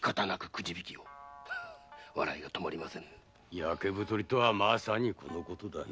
焼け太りとはまさにこのことだな。